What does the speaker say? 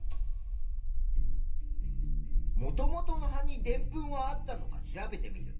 もともとの葉にでんぷんはあったのか調べてみる。